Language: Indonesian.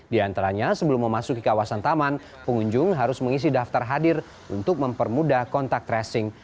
di antaranya sebelum memasuki kawasan taman pengunjung harus mengisi daftar hadir untuk mempermudah kontak tracing